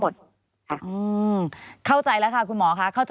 ได้ค่ะค่ะ